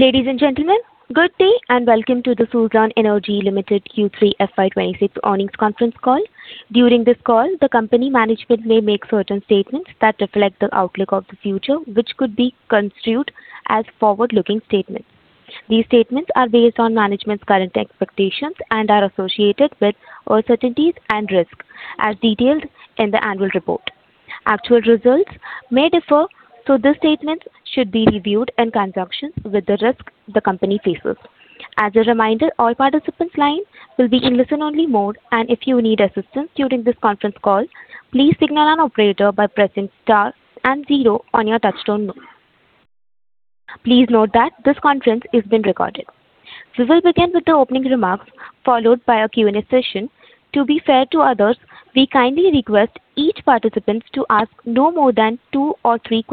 Ladies and gentlemen, good day, and welcome to the Suzlon Energy Limited Q3 FY 2026 Earnings Conference Call. During this call, the company management may make certain statements that reflect the outlook of the future, which could be construed as forward-looking statements. These statements are based on management's current expectations and are associated with uncertainties and risks, as detailed in the annual report. Actual results may differ, so these statements should be reviewed in conjunction with the risks the company faces. As a reminder, all participants' lines will be in listen-only mode, and if you need assistance during this conference call, please signal an operator by pressing star and zero on your touchtone phone. Please note that this conference is being recorded. We will begin with the opening remarks, followed by a Q&A session. To be fair to others, we kindly request each participant to ask no more than two or three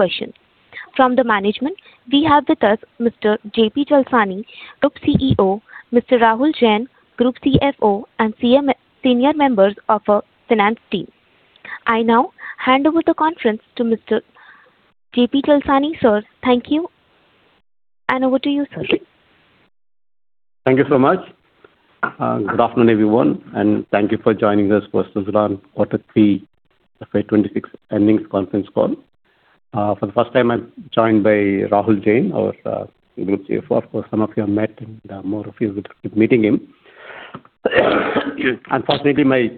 questions. From the management, we have with us Mr. J.P. Chalasani, Group CEO, Mr. Rahul Jain, Group CFO, and senior members of our finance team. I now hand over the conference to Mr. J.P. Chalasani, sir. Thank you, and over to you, sir. Thank you so much. Good afternoon, everyone, and thank you for joining us for Suzlon Q3 FY 2026 Earnings Conference Call. For the first time, I'm joined by Rahul Jain, our Group CFO. Of course, some of you have met, and more of you will be meeting him. Unfortunately, my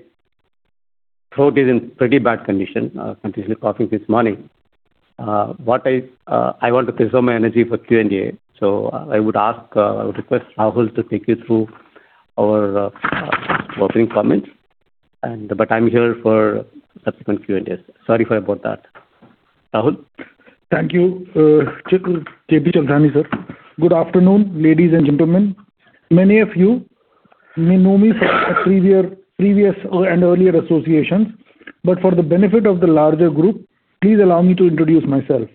throat is in pretty bad condition. I'm continuously coughing this morning. What I, I want to preserve my energy for Q&A, so I would ask, I would request Rahul to take you through our opening comments, but I'm here for subsequent Q&A. Sorry about that. Rahul? Thank you, J.P. Chalasani, sir. Good afternoon, ladies and gentlemen. Many of you may know me from a previous, previous and earlier associations, but for the benefit of the larger group, please allow me to introduce myself.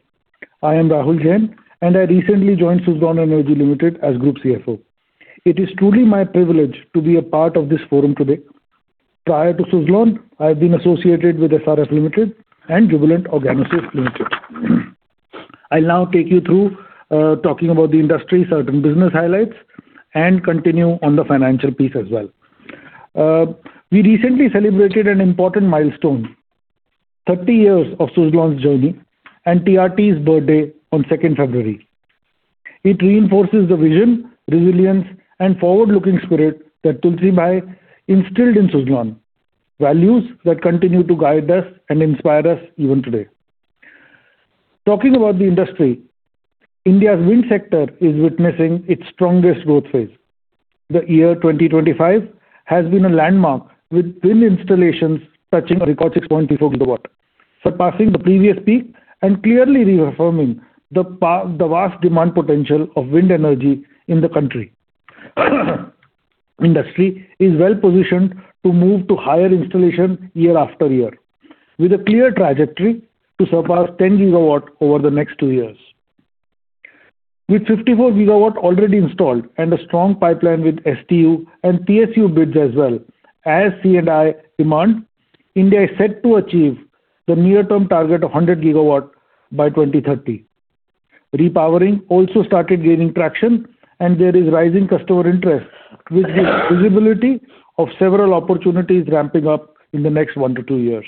I am Rahul Jain, and I recently joined Suzlon Energy Limited as Group CFO. It is truly my privilege to be a part of this forum today. Prior to Suzlon, I've been associated with SRF Limited and Jubilant Organosys Limited. I'll now take you through talking about the industry, certain business highlights, and continue on the financial piece as well. We recently celebrated an important milestone, 30 years of Suzlon's journey and TRT's birthday on second February. It reinforces the vision, resilience, and forward-looking spirit that Tulsi Bhai instilled in Suzlon, values that continue to guide us and inspire us even today. Talking about the industry, India's wind sector is witnessing its strongest growth phase. The year 2025 has been a landmark, with wind installations touching a record 6.4 GW, surpassing the previous peak and clearly reaffirming the vast demand potential of wind energy in the country. Industry is well positioned to move to higher installation year after year, with a clear trajectory to surpass 10 GW over the next two years. With 54 GW already installed and a strong pipeline with STU and PSU bids as well as C&I demand, India is set to achieve the near-term target of 100 GW by 2030. Repowering also started gaining traction, and there is rising customer interest, with the visibility of several opportunities ramping up in the next 1-2 years.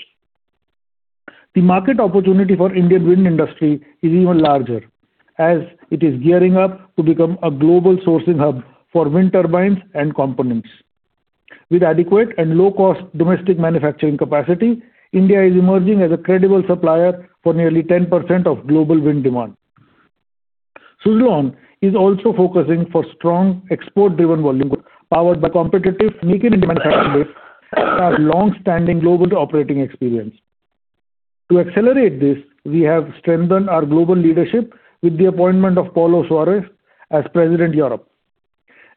The market opportunity for Indian wind industry is even larger, as it is gearing up to become a global sourcing hub for wind turbines and components. With adequate and low-cost domestic manufacturing capacity, India is emerging as a credible supplier for nearly 10% of global wind demand. Suzlon is also focusing for strong export-driven volume growth, powered by competitive Make in India manufacturing base and our longstanding global operating experience. To accelerate this, we have strengthened our global leadership with the appointment of Paulo Soares as President, Europe,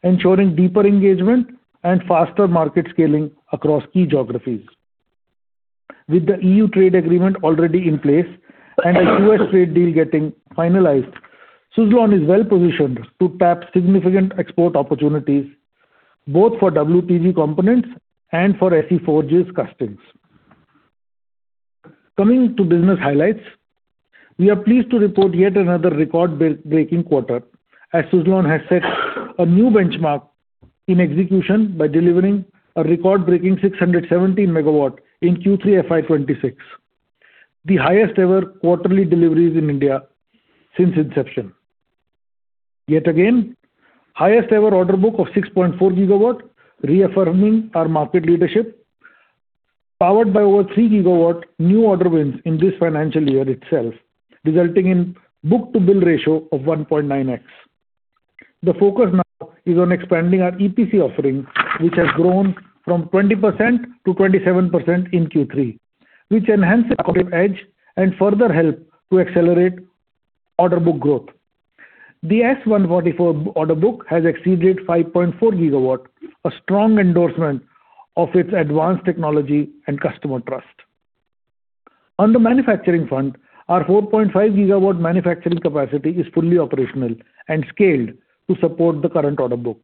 ensuring deeper engagement and faster market scaling across key geographies. With the EU trade agreement already in place and the U.S. trade deal getting finalized, Suzlon is well positioned to tap significant export opportunities, both for WTG components and for SE Forge castings. Coming to business highlights, we are pleased to report yet another record-breaking quarter, as Suzlon has set a new benchmark in execution by delivering a record-breaking 617 MW in Q3 FY 2026, the highest ever quarterly deliveries in India since inception. Yet again, highest ever order book of 6.4 GW, reaffirming our market leadership, powered by over 3 GW new order wins in this financial year itself, resulting in book-to-bill ratio of 1.9x. The focus now is on expanding our EPC offerings, which has grown from 20% to 27% in Q3, which enhance competitive edge and further help to accelerate order book growth. The S144 order book has exceeded 5.4 GW, a strong endorsement of its advanced technology and customer trust. On the manufacturing front, our 4.5 GW manufacturing capacity is fully operational and scaled to support the current order book.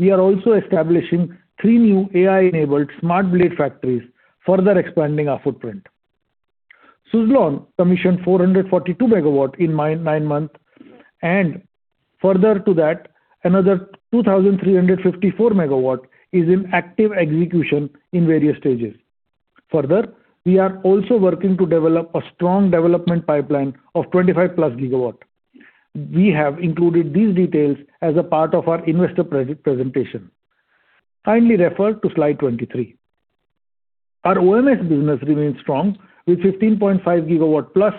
We are also establishing 3 new AI-enabled smart blade factories, further expanding our footprint... Suzlon commissioned 442 MW in 9, 9 months, and further to that, another 2,354 MW is in active execution in various stages. Further, we are also working to develop a strong development pipeline of 25+ GW. We have included these details as a part of our investor presentation. Kindly refer to slide 23. Our OMS business remains strong, with 15.5 GW+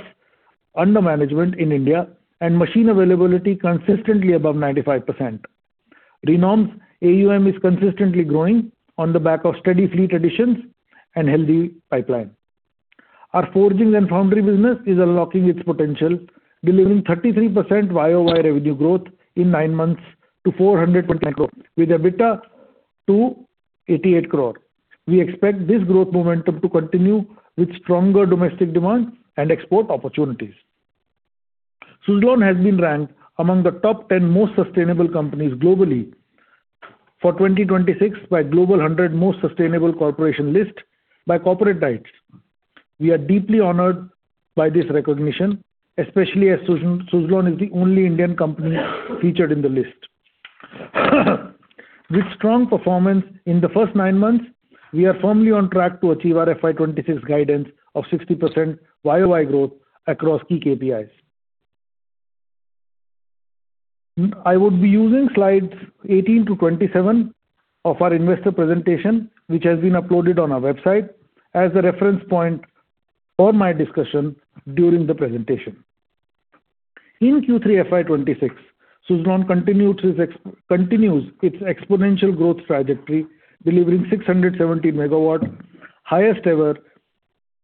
under management in India, and machine availability consistently above 95%. Renom's AUM is consistently growing on the back of steady fleet additions and healthy pipeline. Our forging and foundry business is unlocking its potential, delivering 33% Y-o-Y revenue growth in nine months to 400 MW, with EBITDA to 88 crore. We expect this growth momentum to continue with stronger domestic demand and export opportunities. Suzlon has been ranked among the top 10 most sustainable companies globally for 2026 by Global 100 Most Sustainable Corporation list by Corporate Knights. We are deeply honored by this recognition, especially as Suzlon, Suzlon is the only Indian company featured in the list. With strong performance in the first nine months, we are firmly on track to achieve our FY 2026 guidance of 60% Y-o-Y growth across key KPIs. I would be using slides 18-27 of our investor presentation, which has been uploaded on our website, as a reference point for my discussion during the presentation. In Q3 FY 2026, Suzlon continues its exponential growth trajectory, delivering 670 MW, highest ever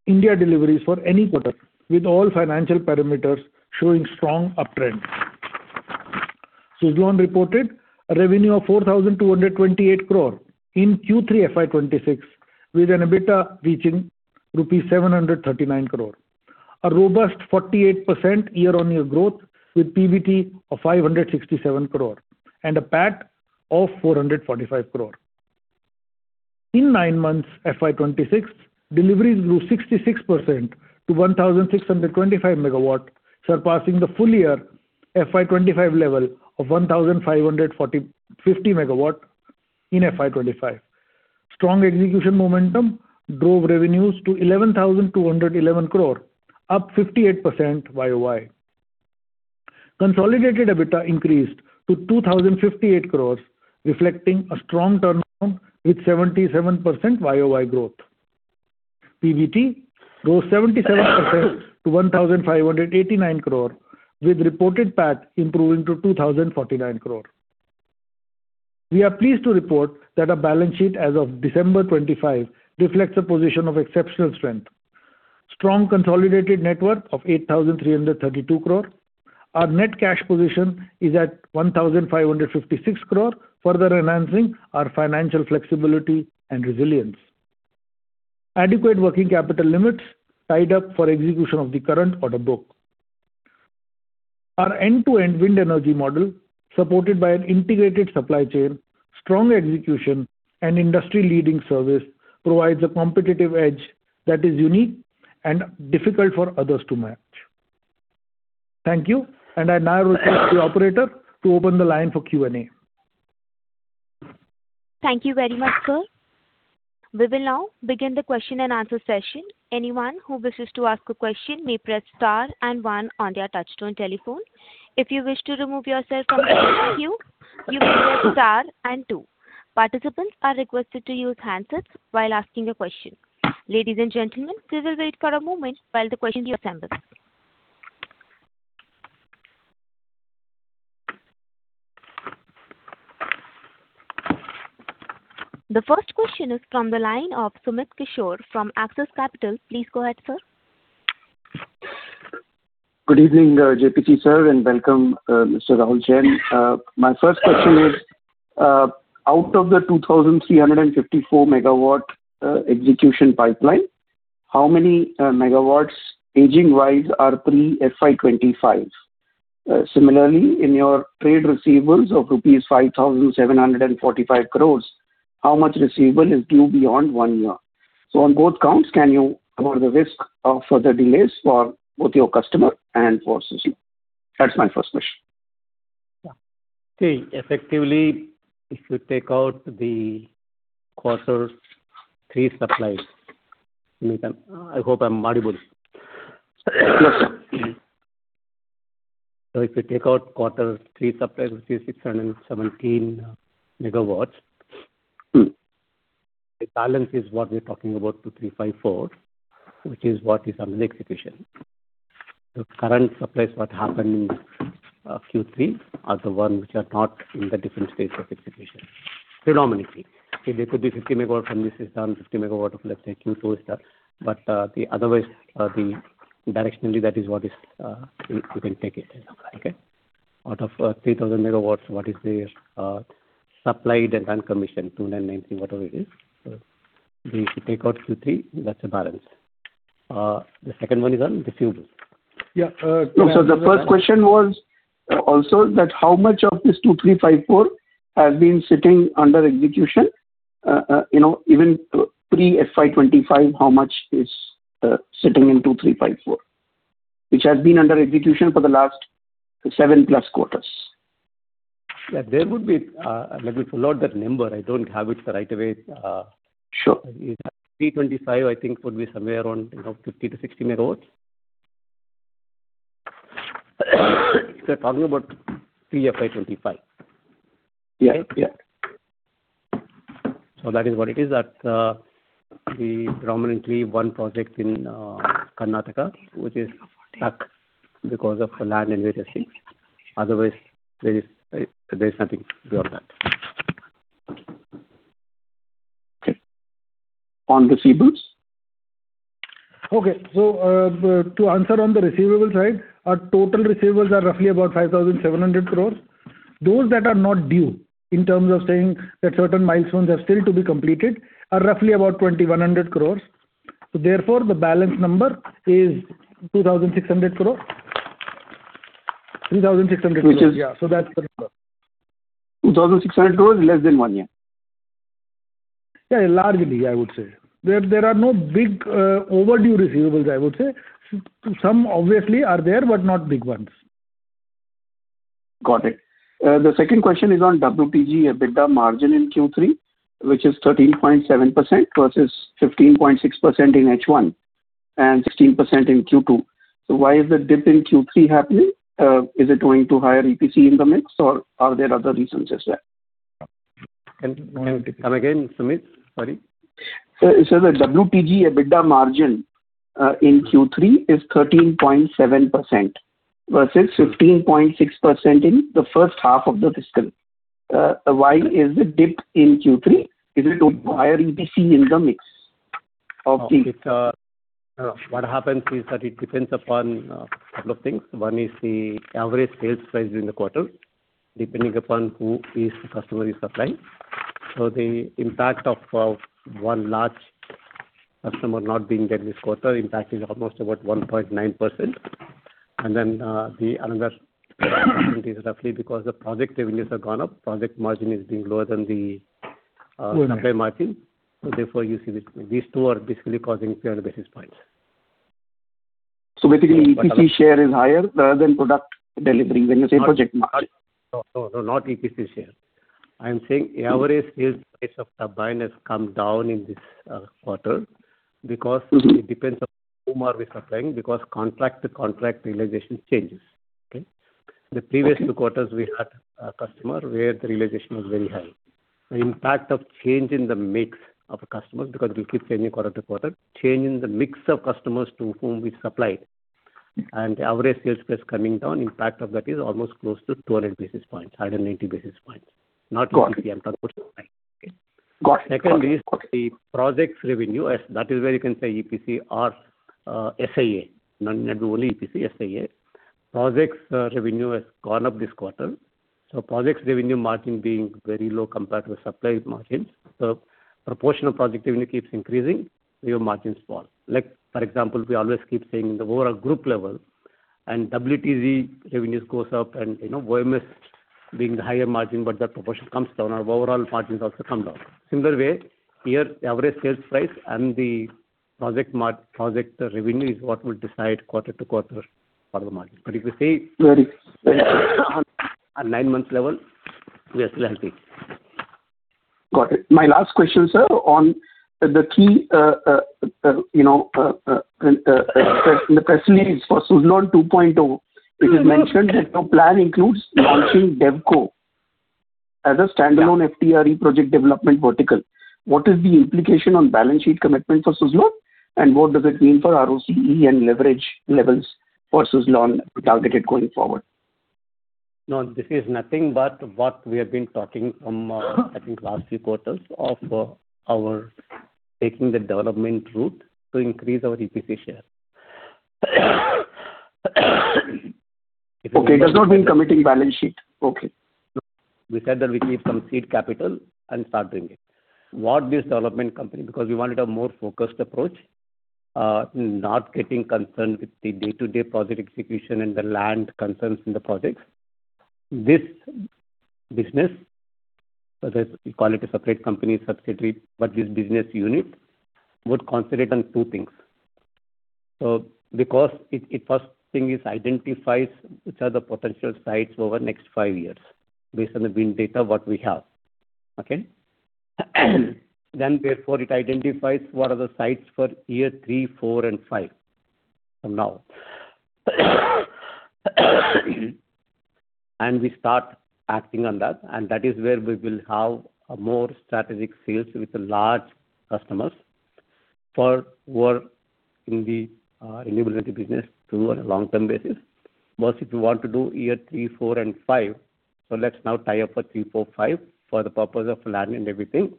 India deliveries for any quarter, with all financial parameters showing strong uptrend. Suzlon reported a revenue of 4,228 crore in Q3 FY 2026, with an EBITDA reaching INR 739 crore. A robust 48% year-on-year growth, with PBT of 567 crore and a PAT of 445 crore. In nine months, FY 2026, deliveries grew 66% to 1,625 MW, surpassing the full year FY 2025 level of 1,550 MW in FY 2025. Strong execution momentum drove revenues to INR 11,211 crore, up 58% year-on-year. Consolidated EBITDA increased to 2,058 crore, reflecting a strong turnaround with 77% Y-o-Y growth. PBT rose 77% to 1,589 crore, with reported PAT improving to 2,049 crore. We are pleased to report that our balance sheet as of December 25, reflects a position of exceptional strength. Strong consolidated net worth of 8,332 crore. Our net cash position is at 1,556 crore, further enhancing our financial flexibility and resilience. Adequate working capital limits tied up for execution of the current order book. Our end-to-end wind energy model, supported by an integrated supply chain, strong execution, and industry-leading service, provides a competitive edge that is unique and difficult for others to match. Thank you, and I now request the operator to open the line for Q&A. Thank you very much, sir. We will now begin the question and answer session. Anyone who wishes to ask a question may press star and one on their touchtone telephone. If you wish to remove yourself from the queue, you may press star and two. Participants are requested to use handsets while asking a question. Ladies and gentlemen, we will wait for a moment while the question queue assembles. The first question is from the line of Sumit Kishore from Axis Capital. Please go ahead, sir. Good evening, J.P., sir, and welcome, Mr. Rahul Jain. My first question is, out of the 2,354 MW execution pipeline, how many MW aging-wise are pre FY 2025? Similarly, in your trade receivables of rupees 5,745 crores, how much receivable is due beyond one year? So on both counts, can you cover the risk of further delays for both your customer and for Suzlon? That's my first question. Yeah. See, effectively, if you take out the quarter three supplies, you can... I hope I'm audible. So if you take out quarter three supplies, which is 617 MW, the balance is what we're talking about, 2,354, which is what is under execution. The current supplies, what happened in Q3, are the ones which are not in the different states of execution, predominantly. So there could be 50 MW from this system, 50 MW of, let's say, Q2 stuff, but the other way, the directionally, that is what is you, you can take it as okay. Out of 3,000 MW, what is the supplied and commissioned, 2,990, whatever it is. So if you take out Q3, that's the balance. The second one is on receivables? Yeah, so the first question was, also that how much of this 2,354 has been sitting under execution? You know, even pre-FY 2025, how much is sitting in 2,354, which has been under execution for the last 7+ quarters. Yeah, there would be, let me follow that number. I don't have it right away. Sure. P 25, I think, would be somewhere around, you know, 50 million-60 million. We're talking about PFI 25. Yeah. Yeah. That is what it is. That's the predominantly one project in Karnataka, which is stuck because of the land and other things. Otherwise, there's nothing beyond that. On receivables? Okay. So, to answer on the receivables side, our total receivables are roughly about 5,700 crore. Those that are not due, in terms of saying that certain milestones are still to be completed, are roughly about 2,100 crore. So therefore, the balance number is 2,600 crore. 3,600 crore. Which is- Yeah, so that's the number. 2,600 crore, less than one year? Yeah, largely, I would say. There are no big overdue receivables, I would say. Some obviously are there, but not big ones. Got it. The second question is on WTG, EBITDA margin in Q3, which is 13.7% versus 15.6% in H1, and 16% in Q2. So why is the dip in Q3 happening? Is it going to higher EPC in the mix, or are there other reasons as well? Can you come again, Sumit? Sorry. Sir, the WTG EBITDA margin in Q3 is 13.7%, versus 15.6% in the first half of the fiscal. Why is the dip in Q3? Is it to higher EPC in the mix of the- What happens is that it depends upon a couple of things. One is the average sales price during the quarter, depending upon who the customer is supplying. So the impact of one large customer not being there this quarter, impact is almost about 1.9%. And then, the other is roughly because the project revenues have gone up, project margin is being lower than the supply margin. Okay. Therefore, you see these two are basically causing 30 basis points. Basically, EPC share is higher rather than product delivery, when you say project margin? No, no, not EPC share. I'm saying average sales price of turbine has come down in this quarter, because it depends on whom are we supplying, because contract to contract realization changes. Okay? Okay. The previous two quarters, we had a customer where the realization was very high. The impact of change in the mix of customers, because it will keep changing quarter-to-quarter, change in the mix of customers to whom we supplied, and the average sales price coming down, impact of that is almost close to 200 basis points, 180 basis points. Got it. Not EPC, I'm talking about, okay? Got it. Second is the projects revenue, as that is where you can say EPC or, S&I. Not, not only EPC, S&I. Projects revenue has gone up this quarter, so projects revenue margin being very low compared to supply margins. So proportion of project revenue keeps increasing, your margins fall. Like, for example, we always keep saying the overall group level and WTZ revenues goes up and, you know, OMS being the higher margin, but that proportion comes down, our overall margins also come down. Similar way, here, average sales price and the project mar-- project revenue is what will decide quarter-to-quarter for the margin. But if you say- Right. At nine months level, we are still healthy. Got it. My last question, sir, on the key, you know, the question is, for Suzlon 2.0, it is mentioned that your plan includes launching DevCo as a standalone FDRE project development vertical. What is the implication on balance sheet commitment for Suzlon? And what does it mean for ROCE and leverage levels for Suzlon targeted going forward? No, this is nothing but what we have been talking from, I think last few quarters of, our taking the development route to increase our EPC share. Okay. It does not mean committing balance sheet. Okay. We said that we need some seed capital and start doing it. What this development company, because we wanted a more focused approach, not getting concerned with the day-to-day project execution and the land concerns in the projects. This business, whether you call it a separate company, subsidiary, but this business unit would concentrate on 2 things. Because it first thing is identifies which are the potential sites over the next 5 years, based on the wind data, what we have. Okay? Then therefore, it identifies what are the sites for year 3, 4, and 5 from now. And we start acting on that, and that is where we will have a more strategic sales with the large customers for work in the renewable energy business to on a long-term basis. Most, if you want to do year 3, 4, and 5, so let's now tie up for 3, 4, 5 for the purpose of land and everything.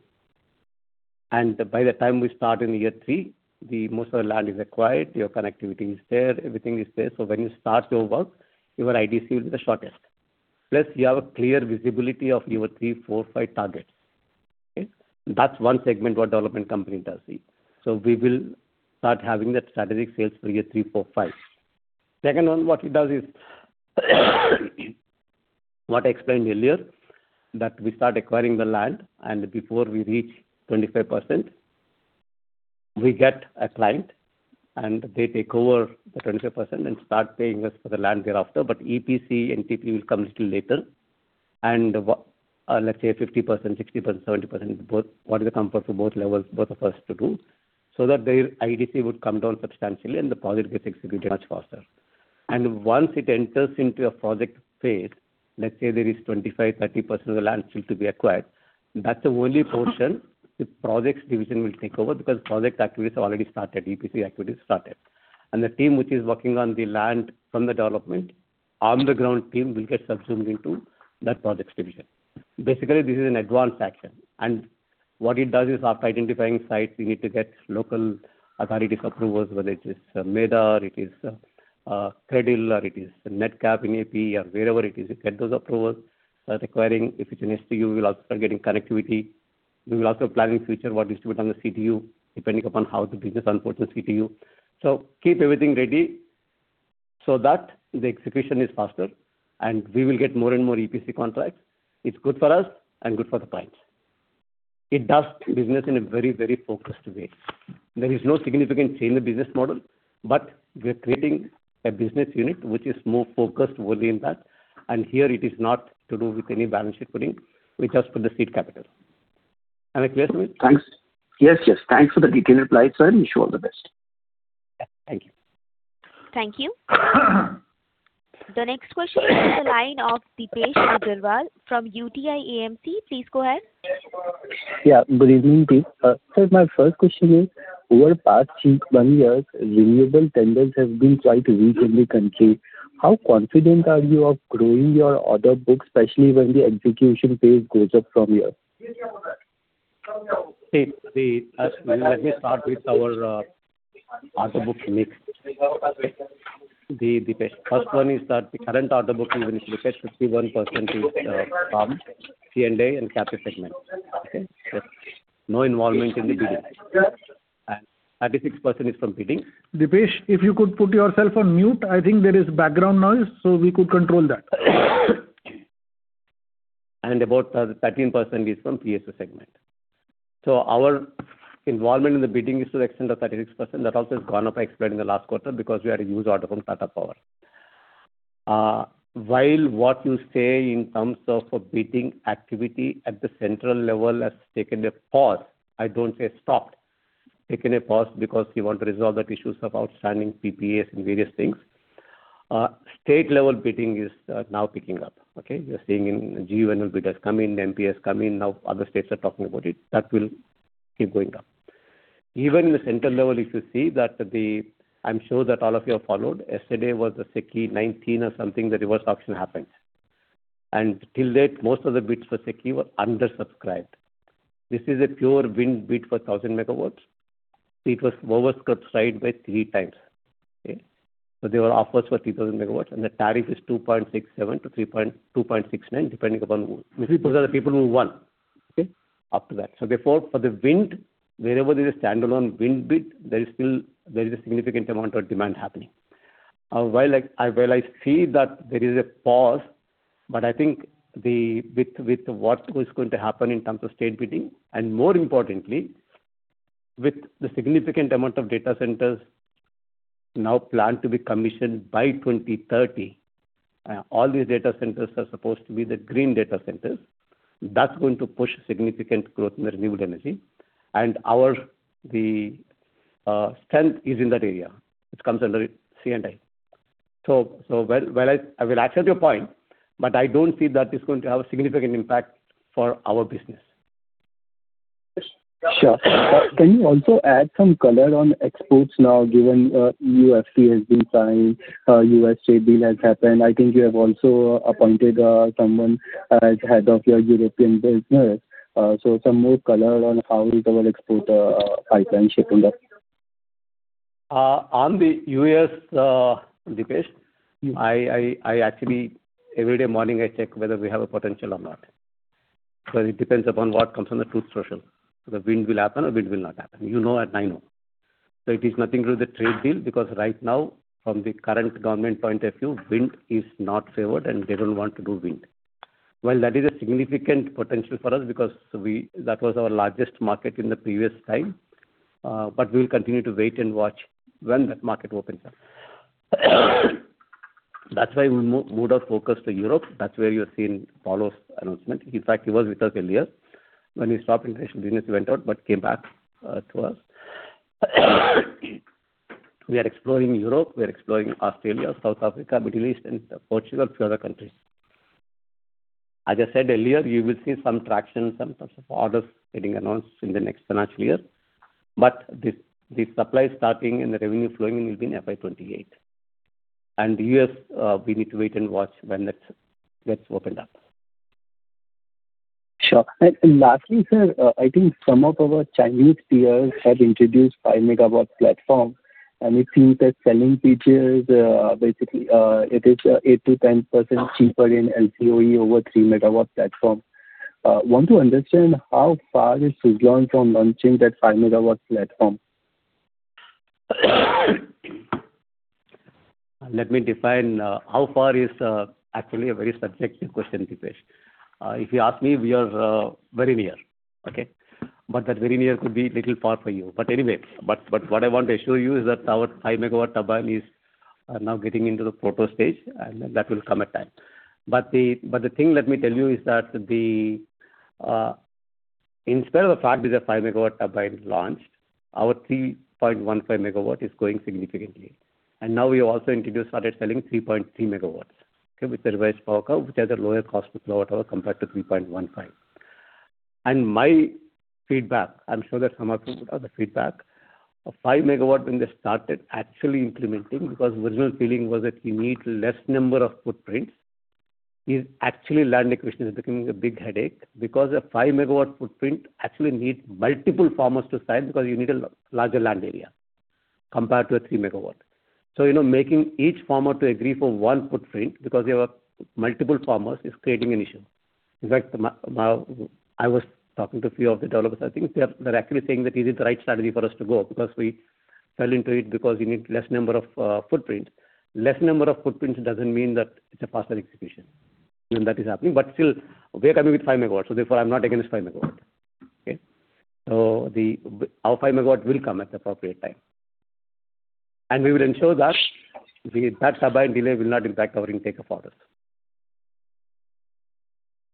By the time we start in year 3, the most of the land is acquired, your connectivity is there, everything is there. So when you start your work, your IDC will be the shortest. Plus, you have a clear visibility of your 3, 4, 5 targets.... Okay? That's one segment what development company does it. So we will start having that strategic sales for year 3, 4, 5. Second one, what it does is, what I explained earlier, that we start acquiring the land, and before we reach 25%, we get a client, and they take over the 25% and start paying us for the land thereafter. But EPC and TP will come little later. Let's say 50%, 60%, 70%, both, what is the comfort for both levels, both of us to do, so that their IDC would come down substantially and the project gets executed much faster. And once it enters into a project phase, let's say there is 25, 30% of the land still to be acquired, that's the only portion the projects division will take over, because project activities have already started, EPC activities started. And the team which is working on the land from the development, on the ground team, will get subsumed into that projects division. Basically, this is an advance action, and what it does is after identifying sites, we need to get local authorities approvals, whether it is MEDA, or it is KREDL, or it is NEDCAP in AP, or wherever it is, you get those approvals, requiring if it's an STU, we will also start getting connectivity. We will also plan in future what is to be done on the CTU, depending upon how the business unfolds the CTU. So keep everything ready so that the execution is faster, and we will get more and more EPC contracts. It's good for us and good for the clients. It does business in a very, very focused way. There is no significant change in the business model, but we are creating a business unit which is more focused only in that, and here it is not to do with any balance sheet putting. We just put the seed capital. Am I clear to you? Thanks. Yes, yes. Thanks for the detailed reply, sir, and wish you all the best. Yeah, thank you. Thank you. The next question is from the line of Dipesh Aggarwal from UTI AMC. Please go ahead. Yeah, good evening to you. Sir, my first question is, over the past one years, renewable tenders have been quite weak in the country. How confident are you of growing your order book, especially when the execution phase goes up from here? See, let me start with our order book mix. Dipesh, first one is that the current order book in which, Dipesh, 51% is from C&I and captive segment. Okay? No involvement in the bidding, and 36% is from bidding. Dipesh, if you could put yourself on mute, I think there is background noise, so we could control that. About 13% is from PSO segment. Our involvement in the bidding is to the extent of 36%. That also has gone up, I explained, in the last quarter, because we had a huge order from Tata Power. While what you say in terms of a bidding activity at the central level has taken a pause, I don't say stopped, taken a pause because we want to resolve the issues of outstanding PPAs and various things. State-level bidding is now picking up, okay? We are seeing in GU, when the bidders come in, MP come in, now other states are talking about it. That will keep going up. Even in the central level, if you see that the... I'm sure that all of you have followed. Yesterday was the SECI or something, the reverse auction happened. To date, most of the bids for SECI were undersubscribed. This is a pure wind bid for 1,000 MW. It was oversubscribed by 3 times. Okay? So there were offers for 3,000 MW, and the tariff is 2.67-2.69, depending upon who. These people are the people who won, okay? Up to that. So therefore, for the wind, wherever there is a standalone wind bid, there is still, there is a significant amount of demand happening. While I, while I see that there is a pause, but I think the, with, with what was going to happen in terms of state bidding, and more importantly, with the significant amount of data centers now planned to be commissioned by 2030, all these data centers are supposed to be the green data centers. That's going to push significant growth in the renewable energy, and our strength is in that area, which comes under C&I. So while I will accept your point, but I don't see that it's going to have a significant impact for our business. Sure. Can you also add some color on exports now, given, UFC has been signed, U.S. trade deal has happened. I think you have also appointed, someone as head of your European business. So some more color on how is our export, pipeline shaping up? On the U.S., Dipesh- Mm. I actually, every day, morning, I check whether we have a potential or not. So it depends upon what comes on the Truth Social. The wind will happen or wind will not happen. You know, and I know. So it is nothing to do with the trade deal, because right now, from the current government point of view, wind is not favored, and they don't want to do wind. Well, that is a significant potential for us because that was our largest market in the previous time, but we will continue to wait and watch when that market opens up. That's why we moved our focus to Europe. That's where you have seen Paolo's announcement. In fact, he was with us earlier. When we stopped international business, he went out, but came back to us. We are exploring Europe, we are exploring Australia, South Africa, Middle East, and Portugal, few other countries. As I said earlier, you will see some traction, some types of orders getting announced in the next financial year, but the supply starting and the revenue flowing in will be in FY 2028. US, we need to wait and watch when that gets opened up. Sure. And, and lastly, sir, I think some of our Chinese peers have introduced 5 MW platform, and we see that selling features, basically, it is 8%-10% cheaper in LCOE over 3 MW platform. Want to understand how far is Suzlon from launching that 5 MW platform? Let me define how far is actually a very subjective question, Deepesh. If you ask me, we are very near. Okay? But that very near could be little far for you. But anyway, what I want to assure you is that our 5 MW turbine is now getting into the proto stage, and then that will come at time. But the thing let me tell you is that in spite of the fact that the 5 MW turbine is launched, our 3.15 MW is going significantly. And now we also started selling 3.3 MW, okay, with the revised power curve, which has a lower cost per kilowatt hour compared to 3.15. And my feedback, I'm sure that some of you would have the feedback, a 5-MW when they started actually implementing, because original feeling was that you need less number of footprints, is actually land acquisition is becoming a big headache because a 5-MW footprint actually needs multiple farmers to sign, because you need a larger land area compared to a 3-MW. So, you know, making each farmer to agree for one footprint because you have a multiple farmers, is creating an issue. In fact, my, my... I was talking to a few of the developers, I think they're actually saying that it is the right strategy for us to go, because we fell into it because you need less number of footprints. Less number of footprints doesn't mean that it's a faster execution, and that is happening. But still, we are coming with 5 MW, so therefore I'm not against 5 MW. Okay? So our 5 MW will come at the appropriate time. And we will ensure that the, that turbine delay will not impact our intake of orders.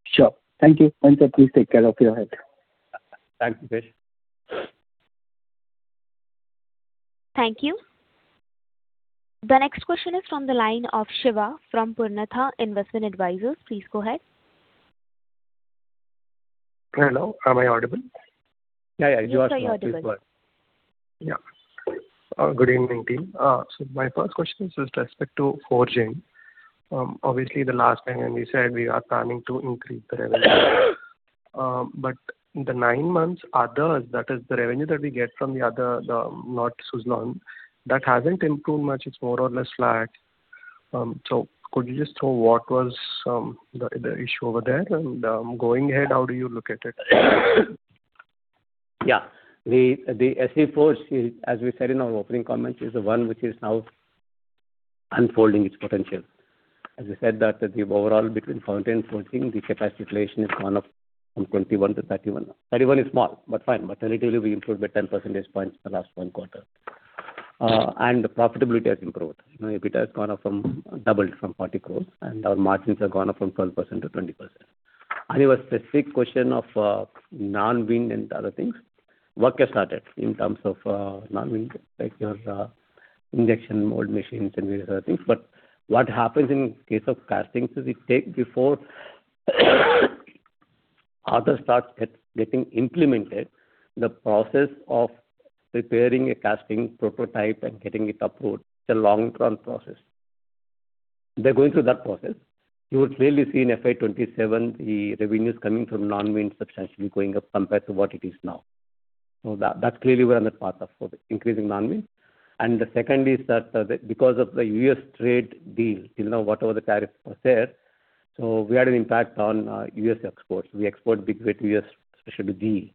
Sure. Thank you. Sir, please take care of your health. Thanks, Deepesh. Thank you. The next question is from the line of Shiva from Purnartha Investment Advisers. Please go ahead. Hello, am I audible? Yeah, yeah, you are. Yes, you are audible. Yeah. Good evening, team. So my first question is with respect to forging. Obviously, the last time when you said we are planning to increase the revenue. But the nine months others, that is the revenue that we get from the other, the not Suzlon, that hasn't improved much. It's more or less flat. So could you just tell what was the issue over there? And going ahead, how do you look at it? Yeah. The S144, as we said in our opening comments, is the one which is now unfolding its potential. As I said, that the overall between 2014 and 2020, the capacity utilization is one of from 21%-31%. 31% is small, but fine, but relatively we improved by 10 percentage points in the last one quarter. And the profitability has improved. You know, EBITDA has doubled from 40 crore, and our margins have gone up from 12%-20%. And your specific question of non-wind and other things, work has started in terms of non-wind, like your injection mold machines and these other things. But what happens in case of castings, is it takes before others start getting implemented, the process of preparing a casting prototype and getting it approved, it's a long-term process. They're going through that process. You will clearly see in FY 2027, the revenues coming from non-wind substantially going up compared to what it is now. So that, that's clearly we're on the path of for the increasing non-wind. And the second is that, because of the U.S. trade deal, you know, whatever the tariff was there, so we had an impact on, U.S. exports. We export big way to U.S., especially GE.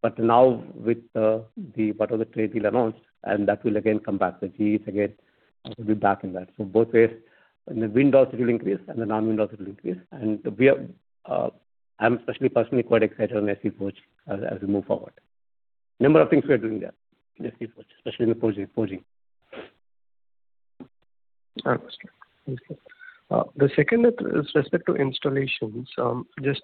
But now with, the, what are the trade deal announced, and that will again come back. The GE is again, will be back in that. So both ways, and the wind also will increase, and the non-wind also will increase. And we are, I'm especially personally quite excited on SE4 as, as we move forward. Number of things we are doing there, SE4, especially in the forging, forging. Understood. Thank you. The second is with respect to installations. Just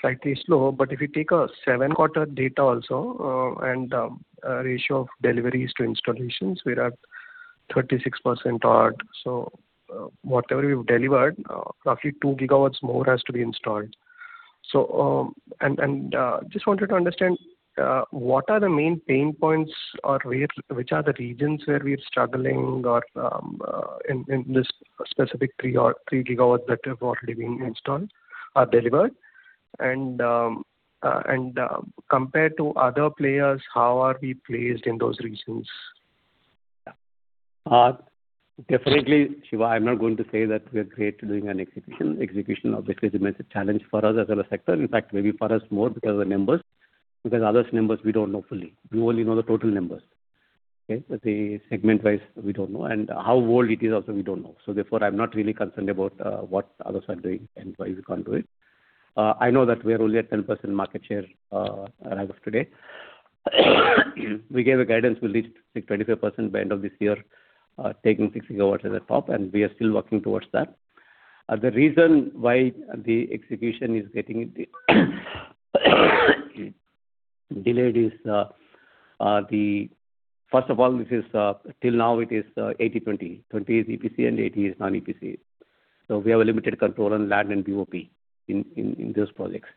slightly slow, but if you take a seven-quarter data also, and ratio of deliveries to installations, we're at 36% odd. So, whatever we've delivered, roughly 2 gigawatts more has to be installed. So, just wanted to understand what are the main pain points or where which are the regions where we're struggling or in this specific 3 or 3 gigawatts that have already been installed or delivered? And compared to other players, how are we placed in those regions? Definitely, Shiva, I'm not going to say that we are great at doing an execution, execution obviously remains a challenge for us as well as sector. In fact, maybe for us more because of the numbers, because others numbers we don't know fully. We only know the total numbers. Okay? But the segment-wise, we don't know, and how old it is also, we don't know. So therefore, I'm not really concerned about what others are doing and why we can't do it. I know that we are only at 10% market share as of today. We gave a guidance, we'll reach to 25% by end of this year, taking 6 gigawatts at the top, and we are still working towards that. The reason why the execution is getting delayed is the... First of all, this is till now, it is 80-20. 20 is EPC, and 80 is non-EPC. So we have a limited control on land and BOP in those projects.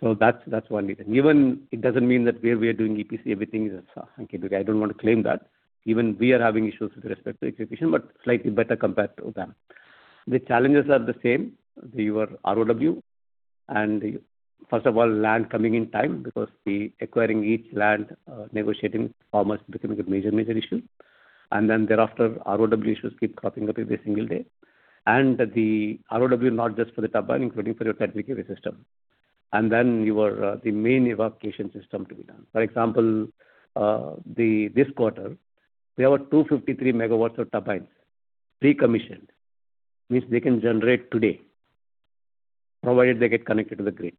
So that's one reason. Even it doesn't mean that we are doing EPC, everything is okay, because I don't want to claim that. Even we are having issues with respect to execution, but slightly better compared to them. The challenges are the same, your ROW. And first of all, land coming in time, because the acquiring each land negotiating almost becoming a major issue. And then thereafter, ROW issues keep cropping up every single day. And the ROW, not just for the turbine, including for your system, and then your the main evacuation system to be done. For example, this quarter, we have 253 MW of turbines commissioned, which they can generate today, provided they get connected to the grid.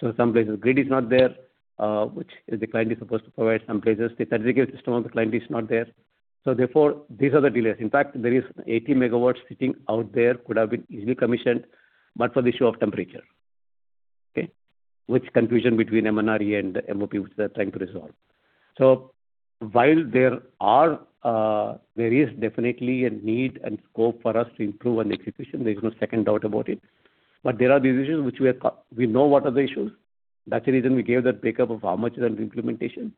Okay? So some places, grid is not there, which the client is supposed to provide. Some places, the system of the client is not there. So therefore, these are the delays. In fact, there is 80 MW sitting out there, could have been easily commissioned, but for the issue of temperature. Okay? Which confusion between MNRE and MOP, which they're trying to resolve. So while there are, there is definitely a need and scope for us to improve on execution, there's no second doubt about it. But there are these issues which we know what are the issues. That's the reason we gave that breakup of how much is under implementation.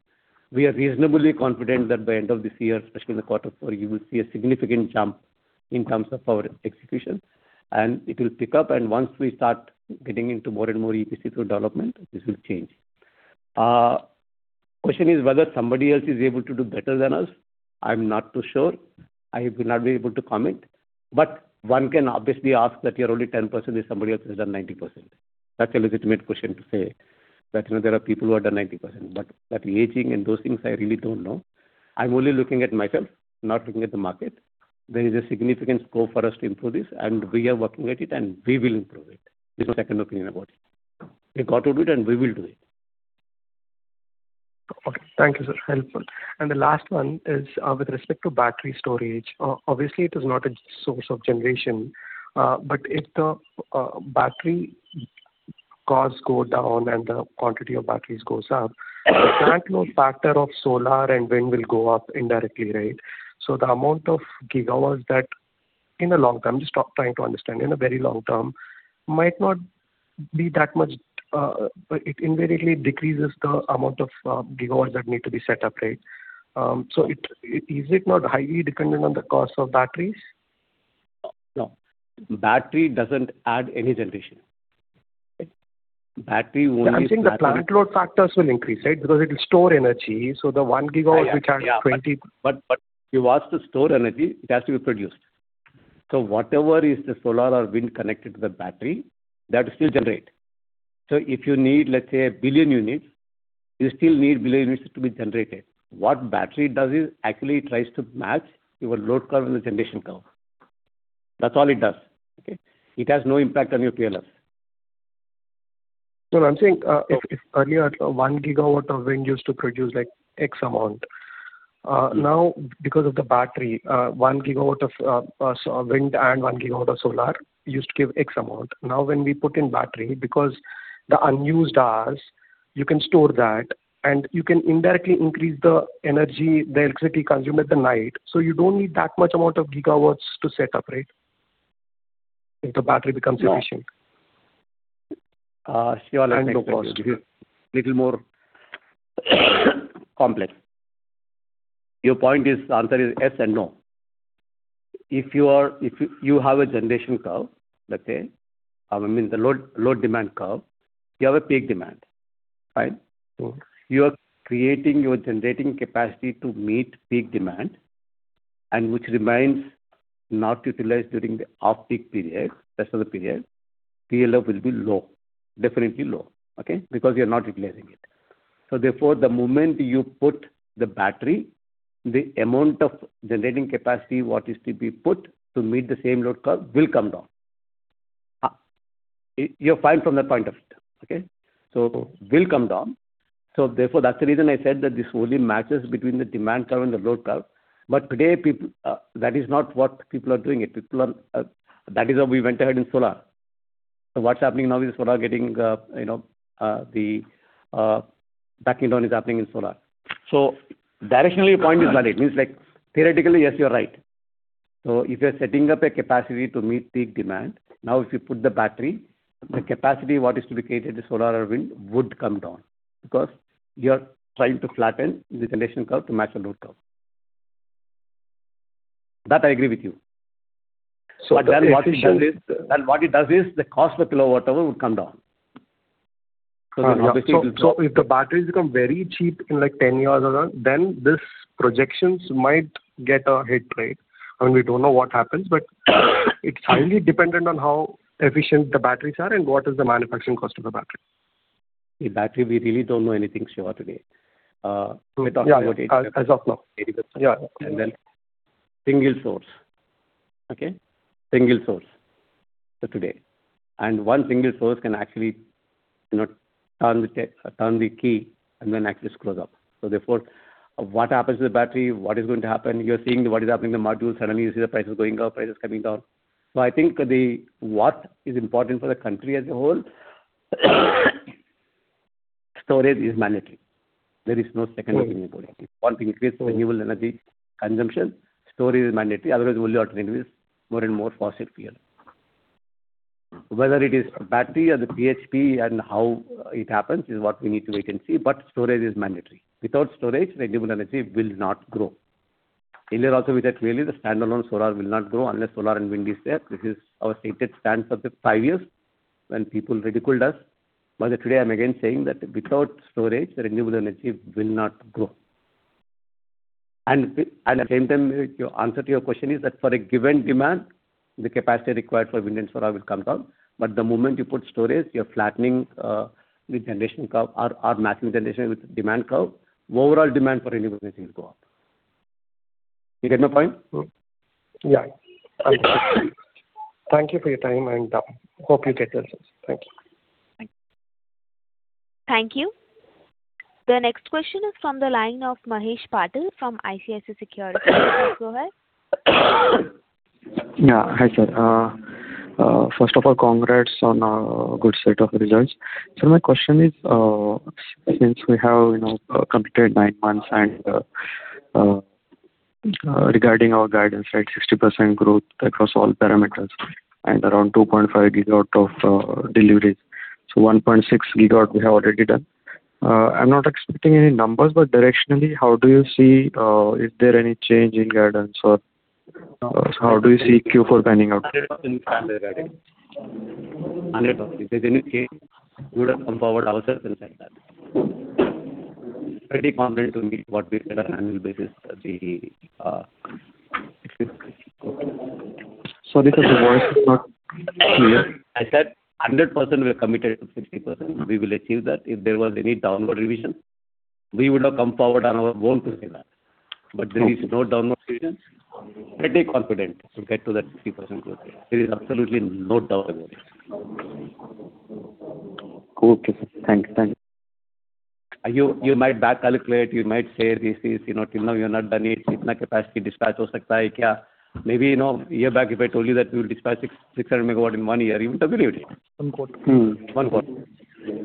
We are reasonably confident that by end of this year, especially in the quarter four, you will see a significant jump in terms of our execution, and it will pick up, and once we start getting into more and more EPC for development, this will change. Question is whether somebody else is able to do better than us? I'm not too sure. I will not be able to comment, but one can obviously ask that you're only 10%, if somebody else has done 90%. That's a legitimate question to say, that, you know, there are people who have done 90%, but that aging and those things I really don't know. I'm only looking at myself, not looking at the market. There is a significant scope for us to improve this, and we are working at it, and we will improve it. There's no second opinion about it. We got to do it, and we will do it. Okay. Thank you, sir. Helpful. And the last one is, with respect to battery storage, obviously it is not a source of generation, but if the battery costs go down and the quantity of batteries goes up, the plant load factor of solar and wind will go up indirectly, right? So the amount of gigawatts that in the long term, just trying to understand, in the very long term, might not be that much, but it invariably decreases the amount of gigawatts that need to be set up, right? So it, is it not highly dependent on the cost of batteries? No. Battery doesn't add any generation. Battery only- I'm saying the plant load factors will increase, right? Because it will store energy, so the 1 GW which has 20- Yeah, but if you ask to store energy, it has to be produced. So whatever is the solar or wind connected to the battery, that will still generate. So if you need, let's say, a billion units, you still need billion units to be generated. What battery does is actually tries to match your load curve and the generation curve. That's all it does, okay? It has no impact on your PLF. No, I'm saying, if earlier 1 gigawatt of wind used to produce like X amount, now because of the battery, 1 gigawatt of wind and 1 gigawatt of solar used to give X amount. Now, when we put in battery, because the unused hours, you can store that, and you can indirectly increase the energy, the electricity consumed at the night, so you don't need that much amount of gigawatts to set up, right? If the battery becomes efficient. No. Thank you. Little more, complex. Your point is, the answer is yes and no. If you are—if you, you have a generation curve, let's say, I mean, the load demand curve, you have a peak demand, right? So you are creating your generating capacity to meet peak demand, and which remains not utilized during the off-peak period, rest of the period, PLF will be low, definitely low, okay? Because you're not utilizing it. So therefore, the moment you put the battery, the amount of generating capacity, what is to be put to meet the same load curve, will come down. You're fine from that point of view, okay? So will come down. So therefore, that's the reason I said that this only matches between the demand curve and the load curve. But today, people, that is not what people are doing it. People are... That is how we went ahead in solar. So what's happening now is solar getting, you know, the backing down is happening in solar. So directionally, your point is valid. Means like, theoretically, yes, you're right. So if you're setting up a capacity to meet peak demand, now, if you put the battery, the capacity, what is to be created, the solar or wind, would come down because you are trying to flatten the generation curve to match the load curve. That I agree with you. And what it does is, the cost per kilowatt-hour would come down. So, if the batteries become very cheap in, like, 10 years or so, then these projections might get a hit, right? I mean, we don't know what happens, but it's highly dependent on how efficient the batteries are and what is the manufacturing cost of the battery. The battery, we really don't know anything sure today. Yeah. As of now. Yeah. Then single source. Okay? Single source for today. And one single source can actually, you know, turn the key and then actually screws up. So therefore, what happens to the battery? What is going to happen? You're seeing what is happening in the modules. Suddenly you see the prices going up, prices coming down. So I think what is important for the country as a whole, storage is mandatory. There is no second opinion about it. If you want to increase renewable energy consumption, storage is mandatory, otherwise, only alternative is more and more fossil fuel. Whether it is battery or the PSP and how it happens is what we need to wait and see, but storage is mandatory. Without storage, renewable energy will not grow.... Earlier also we said clearly the standalone solar will not grow unless solar and wind is there. This is our stated stance for the five years when people ridiculed us. But today I'm again saying that without storage, renewable energy will not grow. And at the same time, your answer to your question is that for a given demand, the capacity required for wind and solar will come down, but the moment you put storage, you're flattening the generation curve or matching generation with demand curve. Overall demand for renewable energy will go up. You get my point? Yeah. Thank you for your time, and hope you get well soon. Thank you. Thank you. The next question is from the line of Mahesh Patil from ICICI Securities. Please go ahead. Yeah. Hi, sir. First of all, congrats on a good set of results. So my question is, since we have, you know, completed nine months and, regarding our guidance, right, 60% growth across all parameters and around 2.5 gigawatt of deliveries. So 1.6 gigawatt we have already done. I'm not expecting any numbers, but directionally, how do you see, is there any change in guidance or how do you see Q4 panning out? 100% guidance. 100%. If there's any change, we would have come forward ourselves and said that. Pretty confident to meet what we said on annual basis, the 60%. Sorry, sir, your voice is not clear. I said, 100% we are committed to 60%. We will achieve that. If there was any downward revision, we would have come forward on our own to say that. Okay. There is no downward revision. Pretty confident to get to that 60% growth. There is absolutely no doubt about it. Okay. Thanks. Thank you. You might back calculate. You might say this is, you know, till now you've not done it. Maybe, you know, a year back, if I told you that we will dispatch 600 MW in one year, you would have believed it. One quarter. Mm-hmm, one quarter.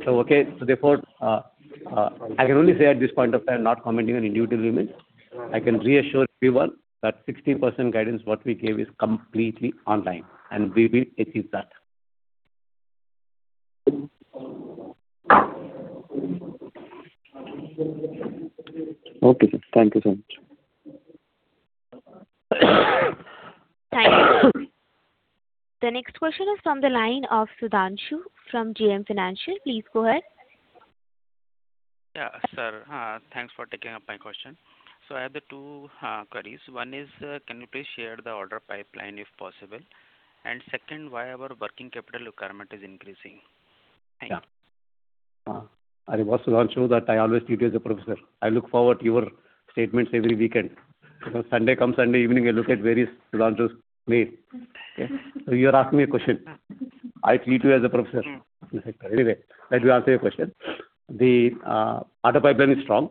So, okay, so therefore, I can only say at this point of time, not commenting on individual units. I can reassure everyone that 60% guidance, what we gave, is completely online, and we will achieve that. Okay, sir. Thank you so much. Thank you. The next question is from the line of Sudhanshu from JM Financial. Please go ahead. Yeah. Sir, thanks for taking up my question. So I have two queries. One is, can you please share the order pipeline, if possible? And second, why our working capital requirement is increasing? Thank you. Yeah. Hi, Sudhanshu, I always treat you as a professor. I look forward to your statements every weekend. Because Sunday, come Sunday evening, I look at various Sudhanshu's mail. So you are asking me a question. I treat you as a professor. Anyway, let me answer your question. The order pipeline is strong.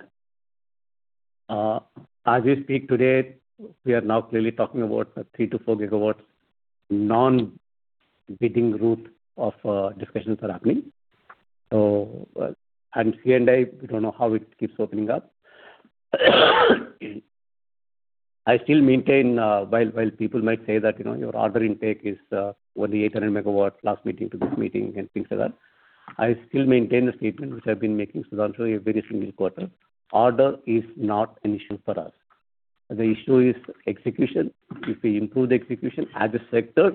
As we speak today, we are now clearly talking about 3-4 gigawatts non-bidding route of discussions are happening. So, and C&I, we don't know how it keeps opening up. I still maintain, while people might say that, you know, your order intake is only 800 MW, last meeting to this meeting and things like that, I still maintain the statement, which I've been making, Sudhanshu, every single quarter. Order is not an issue for us. The issue is execution. If we improve the execution as a sector,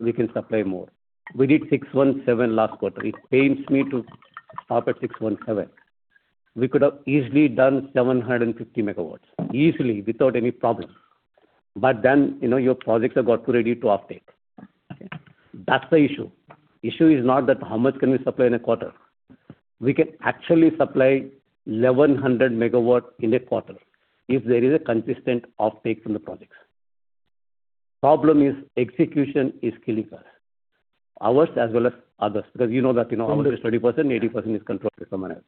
we can supply more. We did 617 last quarter. It pains me to stop at 617. We could have easily done 750 MW, easily, without any problem. But then, you know, your projects have got to ready to offtake. That's the issue. Issue is not that how much can we supply in a quarter. We can actually supply 1,100 MW in a quarter if there is a consistent offtake from the projects. Problem is execution is killing us, ours as well as others, because you know that, you know, only 30%, 80% is controlled by someone else.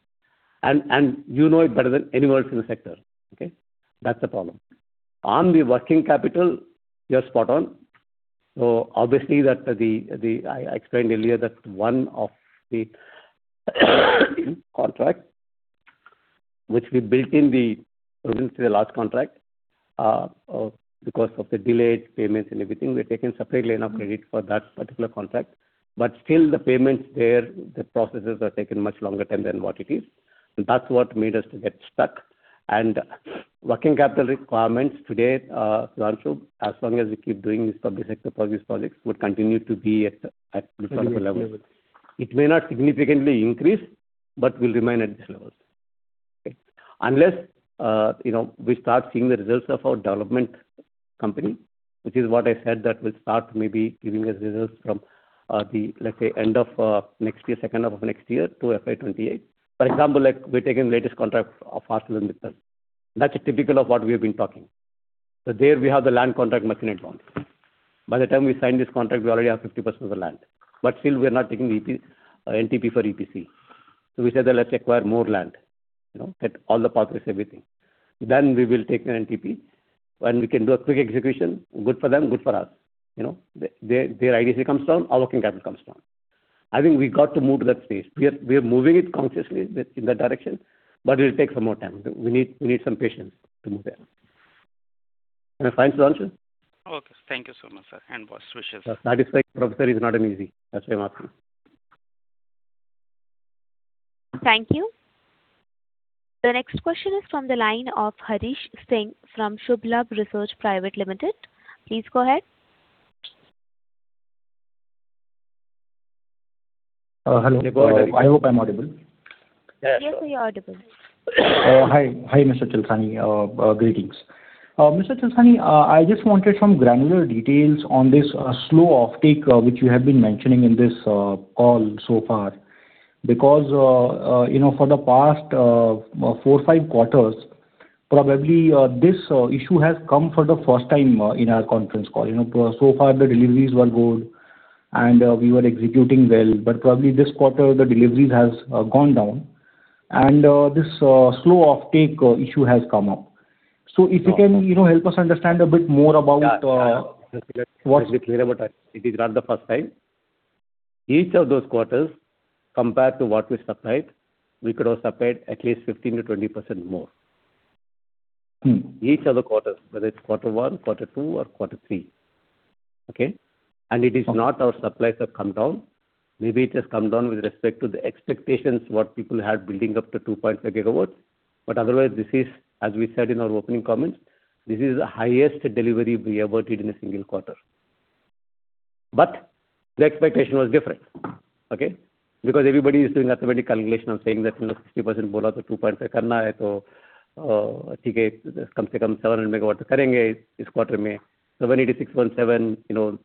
And, and you know it better than anyone else in the sector, okay? That's the problem. On the working capital, you're spot on. So obviously, that the, the... I explained earlier that one of the contract, which we built in the provincial large contract, because of the delayed payments and everything, we've taken separately enough credit for that particular contract, but still the payments there, the processes are taking much longer time than what it is. And that's what made us to get stuck. And working capital requirements today, Sudhanshu, as long as we keep doing this public sector projects, projects would continue to be at reasonable levels. It may not significantly increase, but will remain at this levels. Okay? Unless, you know, we start seeing the results of our development company, which is what I said, that will start maybe giving us results from the, let's say, end of next year, second half of next year to FY 2028. For example, like, we're taking the latest contract of ArcelorMittal. That's typical of what we have been talking. So there we have the land contract much in advance. By the time we sign this contract, we already have 50% of the land, but still we are not taking EP-- NTP for EPC. So we said that let's acquire more land, you know, get all the pathways, everything. Then we will take an NTP, and we can do a quick execution. Good for them, good for us. You know, their, their IDC comes down, our working capital comes down. I think we got to move to that phase. We are, we are moving it consciously in that direction, but it will take some more time. We need, we need some patience to move there. Am I fine, Sudhanshu? Okay. Thank you so much, sir, and best wishes. Satisfying a professor is not easy, that's why I'm asking.... Thank you. The next question is from the line of Harish Singh from Shubhlab Research Private Limited. Please go ahead. Hello. I hope I'm audible. Yes, sir, you're audible. Hi. Hi, Mr. Chalasani. Greetings. Mr. Chalasani, I just wanted some granular details on this slow offtake, which you have been mentioning in this call so far. Because, you know, for the past four, five quarters, probably, this issue has come for the first time in our conference call. You know, so far, the deliveries were good and we were executing well, but probably this quarter, the deliveries has gone down and this slow offtake issue has come up. So if you can, you know, help us understand a bit more about what- It is not the first time. Each of those quarters, compared to what we supplied, we could have supplied at least 15%-20% more. Mm. Each of the quarters, whether it's quarter one, quarter two, or quarter three. Okay? And it is not our supplies have come down. Maybe it has come down with respect to the expectations, what people had building up to 2.5 GW. But otherwise, this is, as we said in our opening comments, this is the highest delivery we ever did in a single quarter. But the expectation was different, okay? Because everybody is doing automatic calculation and saying that, you know, 60% bola toh 2.5 karna hai, toh, theek hai, kam se kam 700 MW karenge is quarter mein. So when it is 6.7, you know,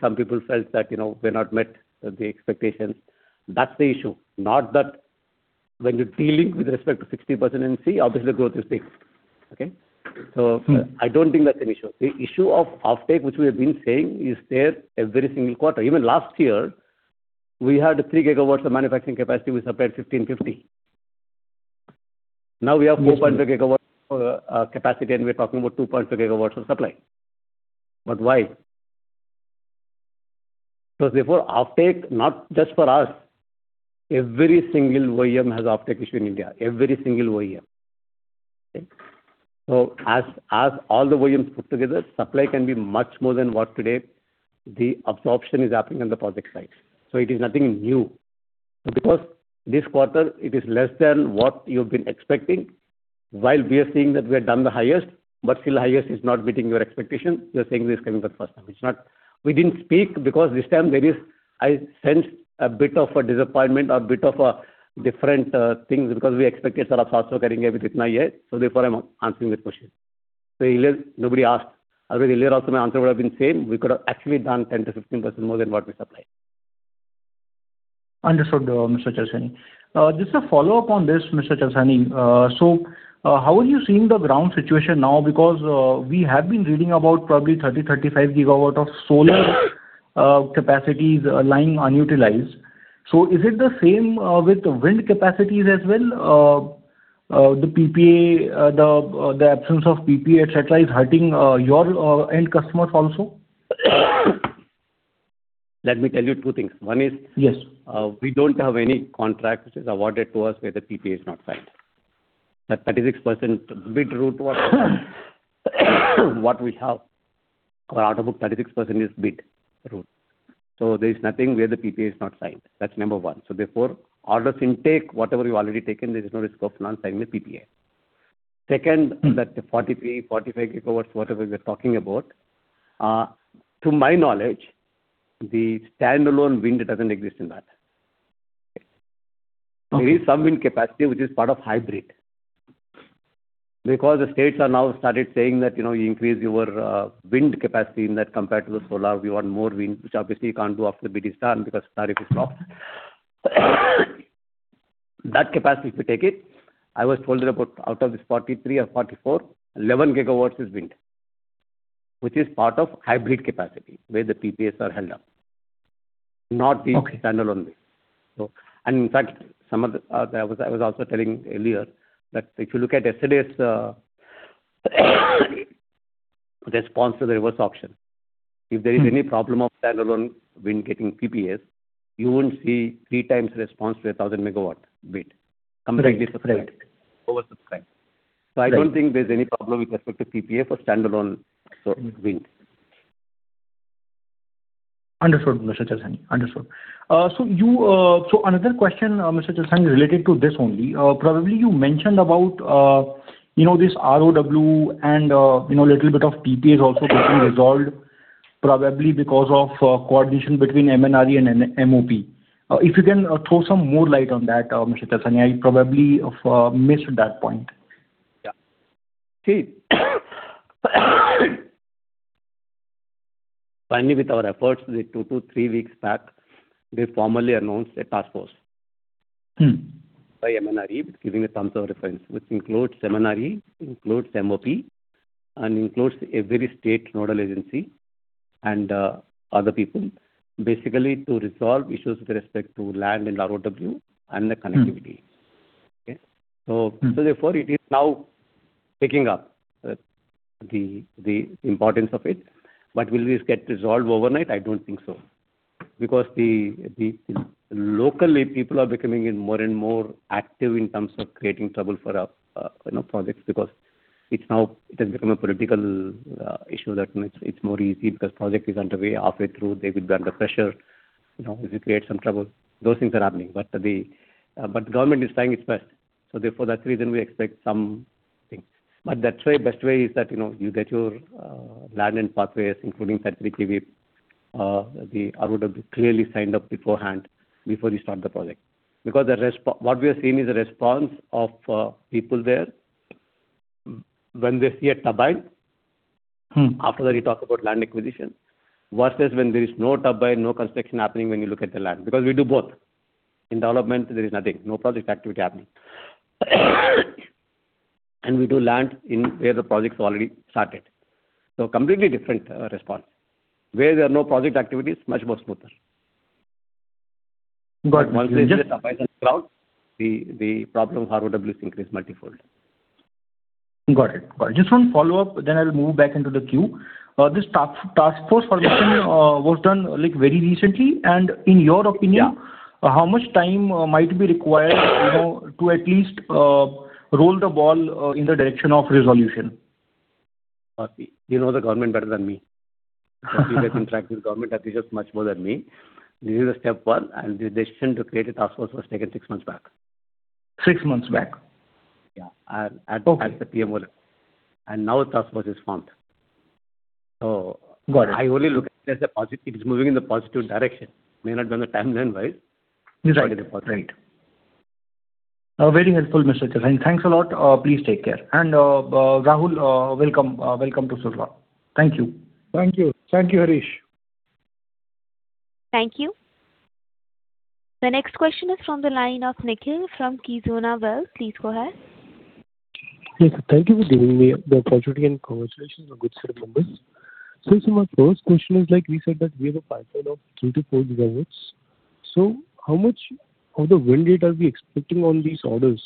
some people felt that, you know, we're not met the expectations. That's the issue, not that when you're dealing with respect to 60% in C, obviously, the growth is big. Okay? Mm. So I don't think that's an issue. The issue of offtake, which we have been saying, is there every single quarter. Even last year, we had 3 GW of manufacturing capacity, we supplied 1,550. Now we have 4.5 GW capacity, and we're talking about 2.5 GW of supply. But why? So therefore, offtake, not just for us, every single OEM has offtake issue in India, every single OEM. Okay? So as all the OEMs put together, supply can be much more than what today the absorption is happening on the project sites. So it is nothing new. Because this quarter it is less than what you've been expecting, while we are saying that we have done the highest, but still the highest is not meeting your expectation, you're saying this is coming the first time. It's not. We didn't speak because this time there is... I sense a bit of a disappointment or a bit of a different things, because we expected a lot also carrying with it now yet, so therefore, I'm answering this question. So earlier, nobody asked. Although earlier also, my answer would have been same. We could have actually done 10%-15% more than what we supplied. Understood, Mr. Chalasani. Just a follow-up on this, Mr. Chalasani. So, how are you seeing the ground situation now? Because, we have been reading about probably 30-35 GW of solar capacities lying unutilized. So is it the same with wind capacities as well? The PPA, the absence of PPA et cetera, is hurting your end customers also? Let me tell you two things. One is- Yes. We don't have any contract which is awarded to us, where the PPA is not signed. That 36% bid route, what we have, or out of 36% is bid route. So there is nothing where the PPA is not signed. That's number one. So therefore, orders intake, whatever you've already taken, there is no risk of not signing the PPA. Second- Mm. that 43-45 GW, whatever we're talking about, to my knowledge, the standalone wind doesn't exist in that. Okay. There is some wind capacity, which is part of hybrid. Because the states are now started saying that, you know, you increase your wind capacity in that compared to the solar, we want more wind, which obviously you can't do after the bid is done, because tariff is locked. That capacity, if you take it, I was told that about out of this 43 or 44, 11 GW is wind, which is part of hybrid capacity, where the PPAs are held up, not the- Okay. standalone wind. So... And in fact, some of the, I was also telling earlier, that if you look at yesterday's response to the reverse auction, Mm. If there is any problem of standalone wind getting PPAs, you wouldn't see 3x response to a 1,000 MW bid. Right. Right. Oversubscribed. Right. I don't think there's any problem with respect to PPA for standalone, so wind. Understood, Mr. Chalasani. Understood. So another question, Mr. Chalasani, related to this only. Probably you mentioned about, you know, this ROW and, you know, little bit of PPA is also getting resolved, probably because of coordination between MNRE and MOP. If you can throw some more light on that, Mr. Chalasani, I probably missed that point. Yeah. See, finally, with our efforts, the 2-3 weeks back, we formally announced a task force- Mm. -by MNRE, giving a thumbs up reference, which includes MNRE, includes MOP, and includes every state nodal agency and other people. Basically, to resolve issues with respect to land and ROW and the connectivity. Mm. Okay? So- Mm. So therefore, it is now picking up the importance of it. But will this get resolved overnight? I don't think so. Because locally, people are becoming more and more active in terms of creating trouble for, you know, projects, because it's now, it has become a political issue that makes it more easy because project is underway, halfway through, they will be under pressure, you know, if you create some trouble. Those things are happening, but the government is trying its best. So therefore, that reason we expect some things. But that way, best way is that, you know, you get your land and pathways, including Forestry, Private, the RoW clearly signed up beforehand before you start the project. Because what we are seeing is a response of people there when they see a turbine. Hmm. After that, you talk about land acquisition versus when there is no turbine, no construction happening when you look at the land, because we do both. In development, there is nothing, no project activity happening. And we do land in where the projects already started. So completely different response. Where there are no project activities, much more smoother. But- Once you see the turbines and clouds, the problem RoWs increase multifold. Got it. Got it. Just one follow-up, then I'll move back into the queue. This task force formation was done, like, very recently, and in your opinion- Yeah. How much time might be required, you know, to at least roll the ball in the direction of resolution? See, you know the government better than me. You have contracted with government officials much more than me. This is the step one, and the decision to create a task force was taken six months back. Six months back? Yeah. Okay. At the PM order. Now a task force is formed. So... Got it. I only look at it as a positive. It's moving in the positive direction. May not be on the timeline, right? Right. But in a positive. Right. Very helpful, Mr. Chalasani. Thanks a lot. Please take care. And Rahul, welcome to Suzlon. Thank you. Thank you. Thank you, Harish. Thank you. The next question is from the line of Nikhil from Kizuna Wealth. Please go ahead. Yes, sir. Thank you for giving me the opportunity and congratulations on good set numbers. So, sir, my first question is, like you said, that we have a pipeline of 3-4 gigawatts. So how much of the wind rate are we expecting on these orders?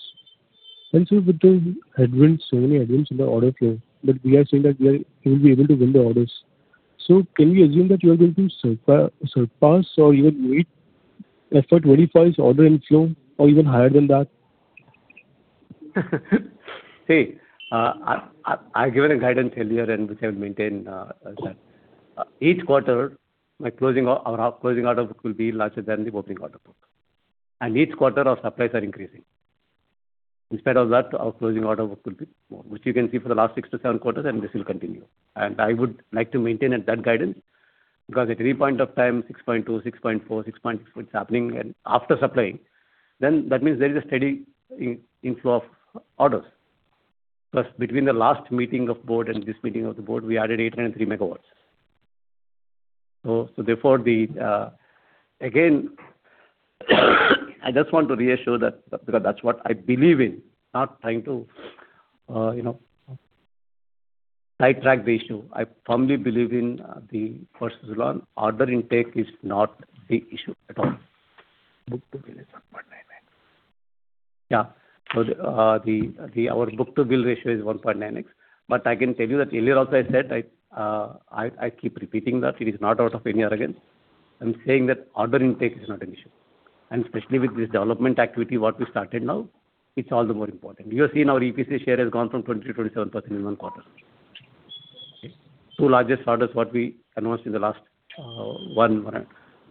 And so with the headwinds, so many headwinds in the order flow, but we are saying that we are, we will be able to win the orders. So can we assume that you are going to surpass or even meet FY 2025's order inflow or even higher than that? See, I've given a guidance earlier, and which I will maintain, as that. Each quarter, my closing or our closing order book will be larger than the opening order book. Each quarter, our supplies are increasing. In spite of that, our closing order book will be more, which you can see for the last 6-7 quarters, and this will continue. I would like to maintain that guidance, because at every point of time, 6.2, 6.4, 6.6, it's happening. After supplying, then that means there is a steady inflow of orders. Plus, between the last meeting of board and this meeting of the board, we added 803 MW. So therefore, the... Again, I just want to reassure you that, because that's what I believe in, not trying to, you know, sidetrack the issue. I firmly believe in, the first Suzlon, order intake is not the issue at all. Book-to-bill is 1.99. Yeah. So our book-to-bill ratio is 1.9x. But I can tell you that earlier also I said I keep repeating that it is not out of any arrogance. I'm saying that order intake is not an issue. And especially with this development activity, what we started now, it's all the more important. You have seen our EPC share has gone from 20%-27% in one quarter. Two largest orders what we announced in the last one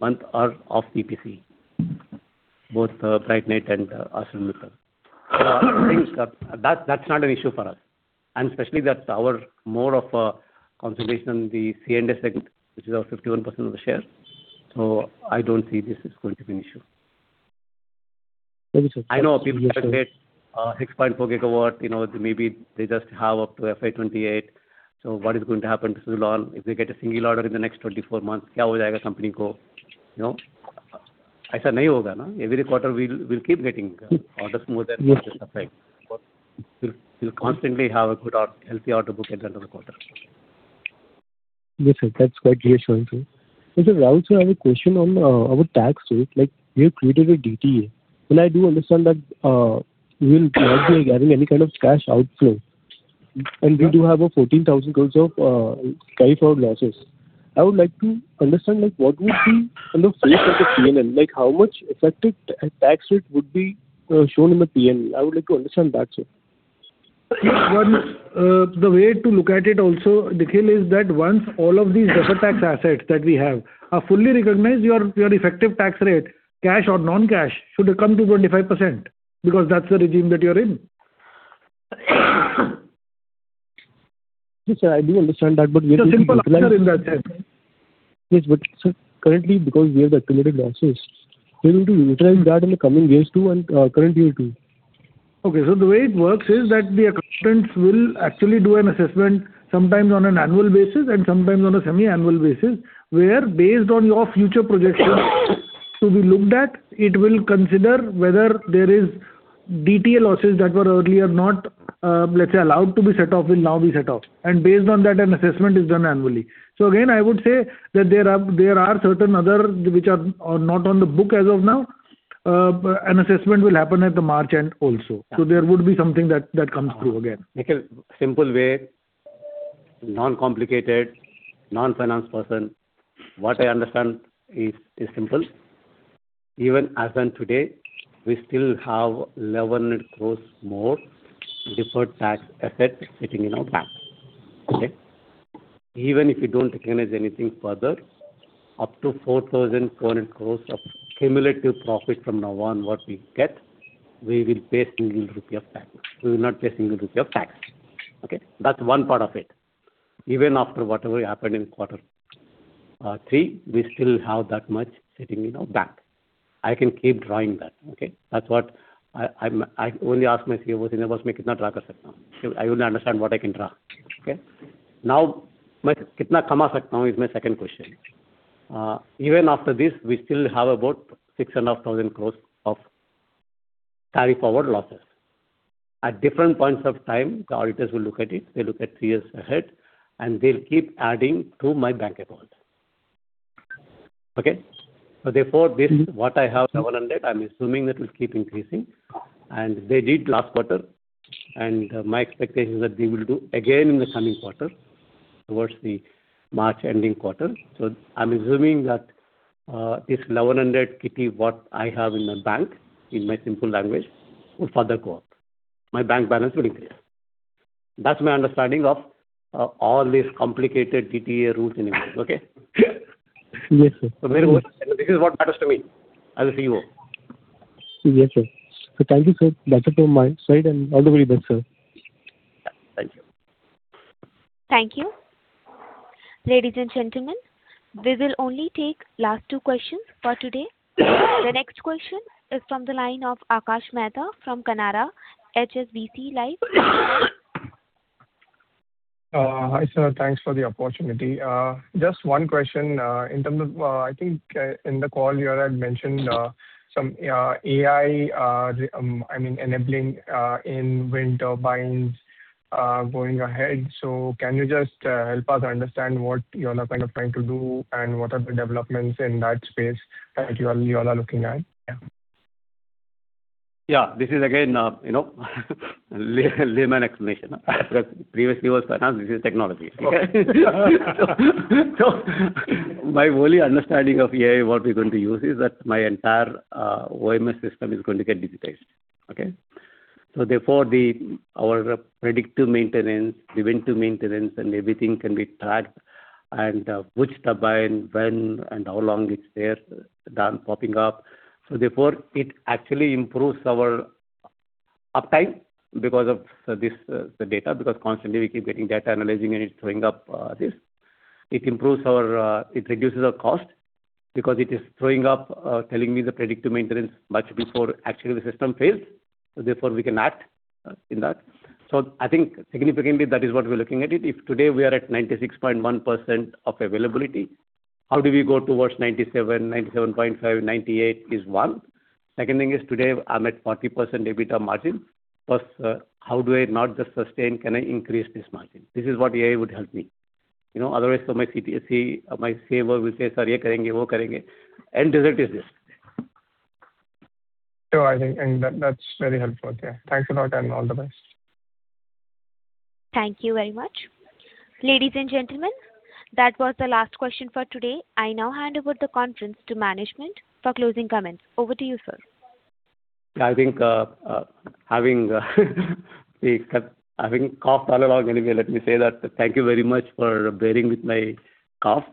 month are off EPC, both BrightNight and Astral Meter. That's not an issue for us. And especially that our more of a concentration on the C&I segment, which is our 51% of the share. So I don't see this is going to be an issue. Thank you, sir. I know people can get 6.4 GW, you know, maybe they just have up to FY 2028. So what is going to happen to Suzlon if they get a single order in the next 24 months? You know? Every quarter we'll keep getting orders more than- Yes. We'll constantly have a good or healthy order book at the end of the quarter. Yes, sir, that's quite reassuring, sir. So Rahul, sir, I have a question on our tax rate. Like, we have created a DTA, and I do understand that we will not be having any kind of cash outflow, and we do have 14,000 crores of carryforward losses. I would like to understand, like, what would be on the face of the PNL, like, how much effective tax rate would be shown in the PNL? I would like to understand that, sir. The way to look at it also, Nikhil, is that once all of these deferred tax assets that we have are fully recognized, your, your effective tax rate, cash or non-cash, should come to 25%, because that's the regime that you're in. Yes, sir, I do understand that, but- It's a simple answer in that sense. Yes, but sir, currently, because we have the accumulated losses, we're going to utilize that in the coming years, too, and current year, too. Okay, so the way it works is that the accountants will actually do an assessment, sometimes on an annual basis and sometimes on a semi-annual basis, where, based on your future projections to be looked at, it will consider whether there is DTA losses that were earlier not, let's say, allowed to be set off, will now be set off. And based on that, an assessment is done annually. So again, I would say that there are certain other which are not on the books as of now. An assessment will happen at the March end also. Yeah. There would be something that comes through again. Nikhil, non-complicated, non-finance person, what I understand is simple. Even as on today, we still have 1,100 crore more deferred tax asset sitting in our bank. Okay? Even if you don't recognize anything further, up to 4,400 crore of cumulative profit from now on, what we get, we will pay single rupee of tax. We will not pay single rupee of tax, okay? That's one part of it. Even after whatever happened in quarter three, we still have that much sitting in our bank. I can keep drawing that, okay? That's what I only ask my CEO, "Sir, main kitna draw kar sakta hu?" I only understand what I can draw, okay? Now, but kitna kama sakta hu is my second question. Even after this, we still have about 6,500 crore of carry forward losses. At different points of time, the auditors will look at it. They look at three years ahead, and they'll keep adding to my bank account. Okay? So therefore, this, what I have, 700, I'm assuming that will keep increasing, and they did last quarter, and my expectation is that they will do again in the coming quarter, towards the March ending quarter. So I'm assuming that, this 1,100 kitty, what I have in my bank, in my simple language, will further go up. My bank balance will increase. That's my understanding of, all these complicated DTA rules anyway, okay? Yes, sir. This is what matters to me as a CEO. Yes, sir. So thank you, sir. That's it from my side, and all the very best, sir. Thank you. Thank you. Ladies and gentlemen, we will only take last two questions for today. The next question is from the line of Akash Mehta from Canara HSBC Life. Hi, sir. Thanks for the opportunity. Just one question, in terms of, I think, in the call here I had mentioned, some AI, I mean, enabling, in wind turbines, going ahead. So can you just, help us understand what you all are kind of trying to do and what are the developments in that space that you all, you all are looking at? Yeah. Yeah. This is again, you know, layman explanation. Previously was finance, this is technology. So my only understanding of AI, what we're going to use, is that my entire OMS system is going to get digitized, okay? So therefore, our predictive maintenance, preventive maintenance, and everything can be tracked, and which turbine, when, and how long it's there, done popping up. So therefore, it actually improves our uptime because of this, the data, because constantly we keep getting data, analyzing it, and it's throwing up this. It improves our, it reduces our cost because it is throwing up telling me the predictive maintenance much before actually the system fails, so therefore, we can act in that. So I think significantly, that is what we're looking at it. If today we are at 96.1% availability, how do we go towards 97, 97.5, 98 is one. Second thing is, today I'm at 40% EBITDA margin, plus, how do I not just sustain, can I increase this margin? This is what AI would help me. You know, otherwise, so my CFO, my CEO will say, "Sir, ye karenge, woh karenge," end result is this. I think, and that, that's very helpful. Yeah. Thanks a lot, and all the best. Thank you very much. Ladies and gentlemen, that was the last question for today. I now hand over the conference to management for closing comments. Over to you, sir. I think, having coughed all along anyway, let me say that thank you very much for bearing with my cough,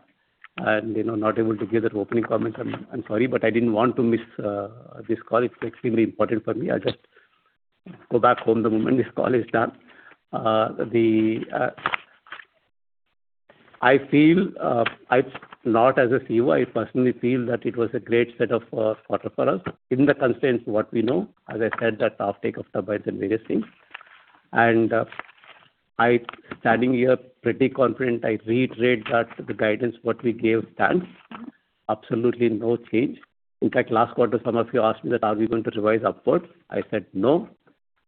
and, you know, not able to give that opening comments. I'm sorry, but I didn't want to miss this call. It's extremely important for me. I'll just go back home the moment this call is done. I feel, not as a CEO, I personally feel that it was a great set of quarter for us, given the constraints what we know, as I said, that uptake of turbines and various things. Standing here pretty confident, I reiterate that the guidance what we gave stands. Absolutely no change. In fact, last quarter, some of you asked me that, "Are we going to revise upwards?" I said, "No."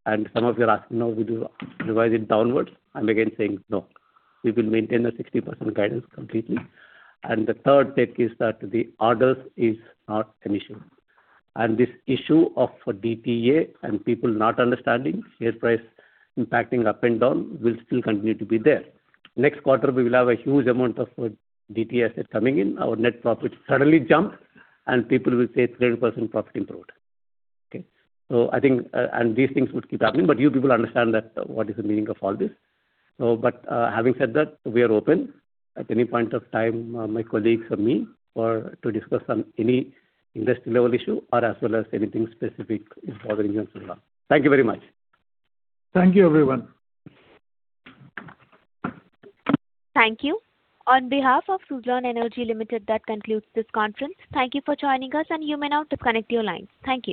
Some of you are asking now, "Would you revise it downwards?" I'm again saying, "No." We will maintain the 60% guidance completely. The third take is that the orders is not an issue. This issue of DTA and people not understanding, share price impacting up and down, will still continue to be there. Next quarter, we will have a huge amount of DTA asset coming in, our net profit suddenly jump and people will say 30% profit improved. Okay? So I think, and these things would keep happening, but you people understand that what is the meaning of all this. So but, having said that, we are open. At any point of time, my colleagues or me, or to discuss on any industry level issue or as well as anything specific involving Suzlon. Thank you very much. Thank you, everyone. Thank you. On behalf of Suzlon Energy Limited, that concludes this conference. Thank you for joining us, and you may now disconnect your lines. Thank you.